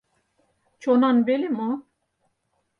Чонан веле мо?